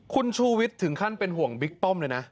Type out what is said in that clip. คุณชูวิทย์ถึงขั้นเป็นห่วงบิ๊กป้อมเลยนะ